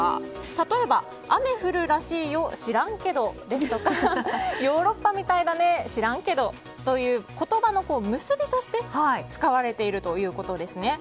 例えば、雨降るらしいよ知らんけどですとかヨーロッパみたいだね知らんけど、という言葉の結びとして使われているということです。